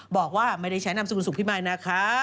บอกว่าไม่ได้ใช้นำสุขุนสุขพิมัยนะคะ